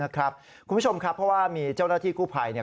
คุณผู้ชมครับเพราะว่ามีเจ้าหน้าที่กู้ภัย